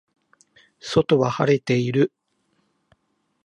外は晴れている